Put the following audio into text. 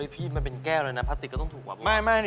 พี่มันเป็นแก้วเลยนะพลาสติกก็ต้องถูกกว่าไหม